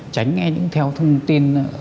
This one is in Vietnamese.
tránh nghe những theo thông tin